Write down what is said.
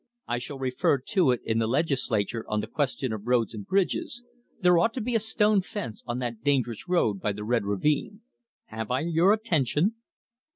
I shall refer to it in the Legislature on the question of roads and bridges there ought to be a stone fence on that dangerous road by the Red Ravine Have I your attention?"